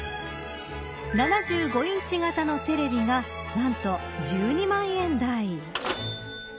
７５インチ型のテレビが何と１２万円台。